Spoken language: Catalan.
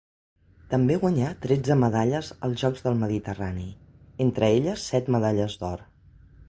També guanyà tretze medalles als Jocs del Mediterrani, entre elles set medalles d'or.